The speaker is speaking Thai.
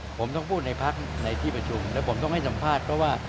ผมต้องพูดในพักในที่ประชุมแล้วผมต้องให้สัมภาษณ์เพราะว่า